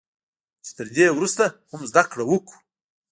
چې تر دې ورسته هم زده کړه وکړو